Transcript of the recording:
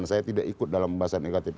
saya tidak ikut dalam pembahasan ektp